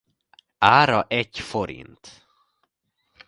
Ára egy forint.